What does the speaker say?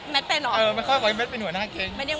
แมทเป็นเหรอไม่ค่อยไว้แมทเป็นหนัวหน้าเกง